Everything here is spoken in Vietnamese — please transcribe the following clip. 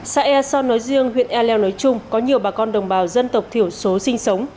xã ea son nói riêng huyện e leo nói chung có nhiều bà con đồng bào dân tộc thiểu số sinh sống